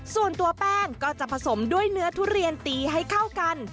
ส่วนตัวแป้งก็จะผสมด้วยเนื้อทุเรียนตีให้เข้ากัน